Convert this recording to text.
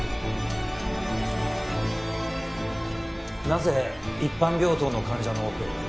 なぜ一般病棟の患者のオペを？